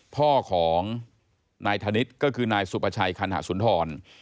พ่อของนายธนิษฐ์ก็คือนายสุประชัยคันหสุนทร